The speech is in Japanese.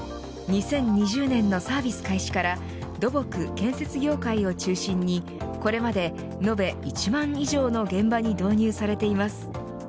２０２０年のサービス開始から土木・建設業界を中心にこれまで延べ１万以上の現場に導入されています。